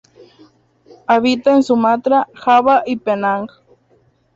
Habita en Sumatra, Java y Penang.